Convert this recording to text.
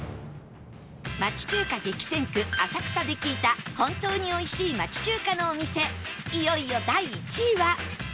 町中華激戦区浅草で聞いた本当に美味しい町中華のお店いよいよ第１位は